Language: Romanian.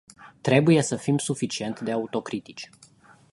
Trebuie să fim suficient de autocritici.